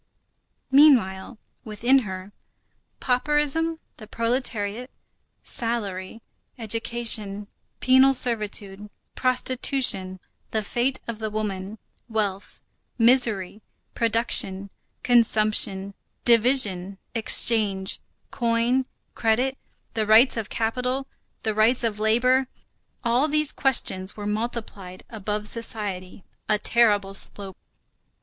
Meanwhile, within her, pauperism, the proletariat, salary, education, penal servitude, prostitution, the fate of the woman, wealth, misery, production, consumption, division, exchange, coin, credit, the rights of capital, the rights of labor,—all these questions were multiplied above society, a terrible slope.